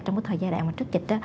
trong thời gian trước dịch